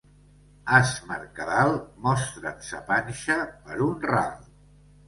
As Mercadal mostren sa panxa per un ral.